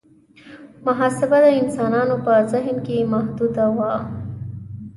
محاسبه د انسانانو په ذهن کې محدوده وه.